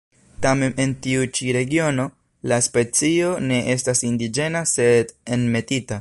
Tamen en tiu ĉi regiono, la specio ne estas indiĝena sed enmetita.